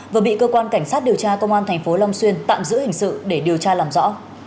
và bị cơ quan cảnh sát điều tra công an thành phố long xuyên tạm giữ hình sự để điều tra làm rõ